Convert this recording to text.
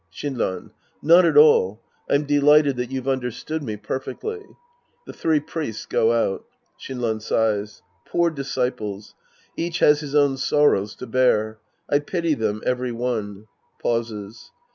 Shinran. Not at all. I'm delighted that you've understood me perfectly. {J^he three Priests go out. Shinran sighs.) Poor disciples ! Each has his own sorrows to bear. I pity them every one. {Pauses.)